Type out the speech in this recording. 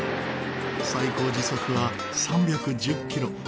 最高時速は３１０キロ。